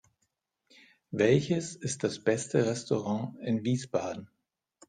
Welches ist das beste Restaurant in Wiesbaden?